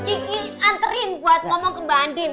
kiki anterin buat ngomong ke mbak andin